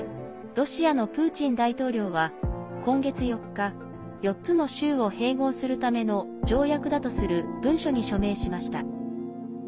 ロシアのプーチン大統領は今月４日、４つの州を併合するための条約だとする文書に署名しました。